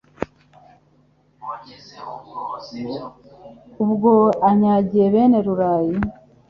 Ubwo anyagiye bene Rugayi